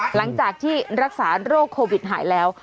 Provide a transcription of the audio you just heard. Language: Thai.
หลังจากที่รักษาโรคโควิดหายแล้ว